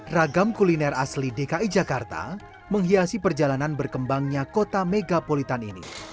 ragam kuliner asli dki jakarta menghiasi perjalanan berkembangnya kota megapolitan ini